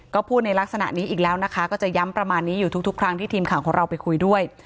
ก็พูดในลักษณะนี้อีกแล้วนะคะก็จะย้ำประมาณนี้อยู่ทุกครั้งที่ทีมข่าวของเราไปคุยด้วย